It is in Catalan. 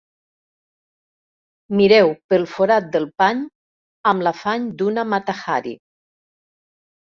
Mireu pel forat del pany amb l'afany d'una Mata-Hari.